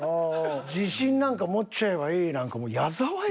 「自信なんか持っちゃえばいい」なんかもう矢沢や。